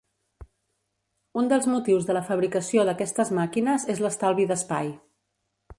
Un dels motius de la fabricació d'aquestes màquines és l'estalvi d'espai.